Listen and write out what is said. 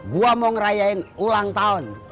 gue mau ngerayain ulang tahun